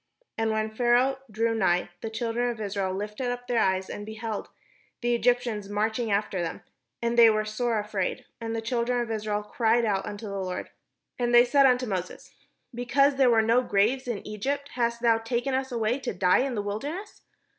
And when Pharaoh drew nigh, the children of Israel lifted up their eyes, and, behold, the Egyptians marched after them; and they were sore afraid; and the children of Israel cried out unto the Lord. And they said unto Moses: ''Because there were no graves in Egypt, hast thou taken us away to die in the wilderness?